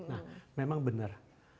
nah memang benar